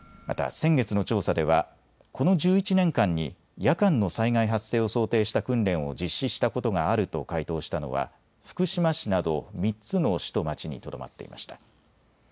また先月の調査ではこの１１年間に夜間の災害発生を想定した訓練を実施したことがあると回答したのは福島市など３つの市と町にとどまっていました。